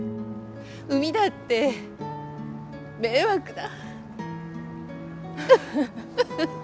海だって迷惑だ。